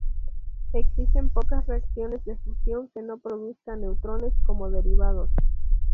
Existen pocas reacciones de fusión que no produzcan neutrones como derivados.